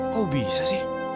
kok bisa sih